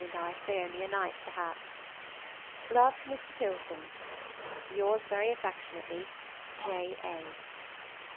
and I stay only a night perhaps. Love to Mr. Tilson. Yours very affectionately, J. A.